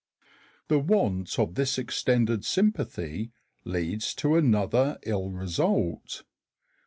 The want of this extended sympathy leads to another ill result.